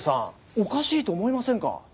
おかしいと思いませんか？